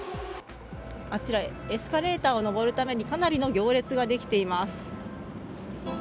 あちらエスカレーターを上るためにかなりの行列ができています。